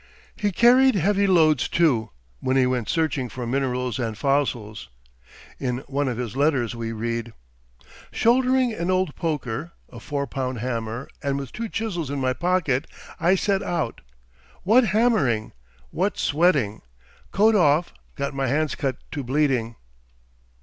He carried heavy loads, too, when he went searching for minerals and fossils. In one of his letters we read: "Shouldering an old poker, a four pound hammer, and with two chisels in my pocket, I set out.... What hammering! what sweating! Coat off; got my hands cut to bleeding."